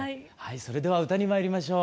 それでは歌にまいりましょう。